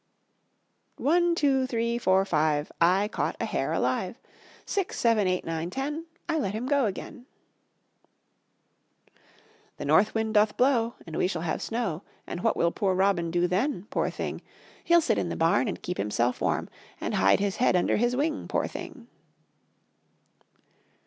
One, two, three, four, five, I caught a hare alive; Six, seven, eight, nine, ten, I let him go again. The north wind doth blow, And we shall have snow, And what will poor robin do then? Poor thing! He'll sit in the barn And keep himself warm, And hide his head under his wing. Poor thing!